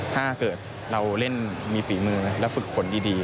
ถ้าเกิดเราเล่นมีฝีมือและฝึกผลดี